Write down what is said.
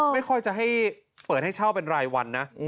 ไม่ค่อยจะให้เปิดให้เช่าเป็นรายวันนะ